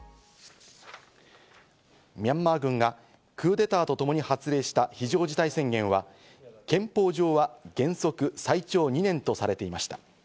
ミャンマー軍がクーデターとともに発令した非常事態宣言は、憲法上は原則最長２年とされていました。